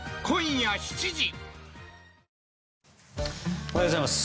おはようございます。